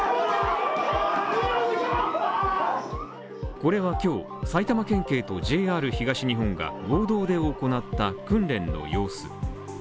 これは今日、埼玉県警とＪＲ東日本が合同で行った訓練の様子。